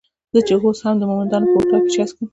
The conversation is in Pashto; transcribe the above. زه چې اوس هم د مومندانو پر هوټل چای څکم.